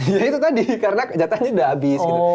ya itu tadi karena jatahnya sudah habis gitu